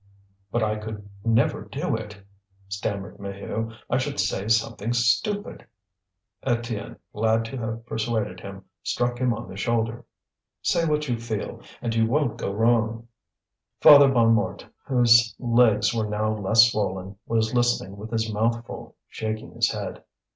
"But I could never do it," stammered Maheu. "I should say something stupid." Étienne, glad to have persuaded him, struck him on the shoulder. "Say what you feel, and you won't go wrong." Father Bonnemort, whose legs were now less swollen, was listening with his mouth full, shaking his head.